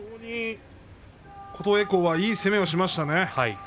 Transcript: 琴恵光は非常にいい攻めをしましたね。